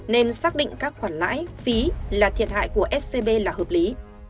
nên xác định các khoản lãi phí là thiệt hại của scb là hợp lý